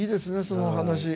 その話。